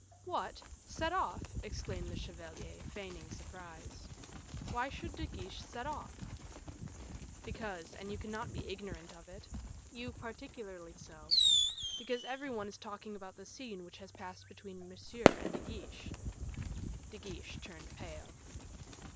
"What! set off!" exclaimed the chevalier, feigning surprise; "why should De Guiche set off?" "Because, and you cannot be ignorant of it you particularly so because every one is talking about the scene which has passed between Monsieur and De Guiche." De Guiche turned pale.